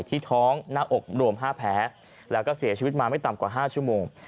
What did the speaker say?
ที่ท้องหน้าอกรวม๕แผลแล้วก็เสียชีวิตมาไม่ต่ำกว่า๕ชั่วโมง